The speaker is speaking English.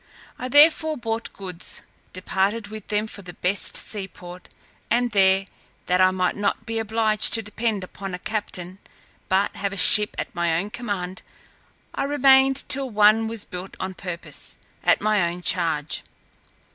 I therefore bought goods, departed with them for the best sea port; and there, that I might not be obliged to depend upon a captain, but have a ship at my own command, I remained till one was built on purpose, at my own charge.